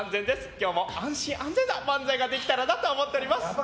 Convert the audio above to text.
今日も安心安全な漫才ができたらなと思っています。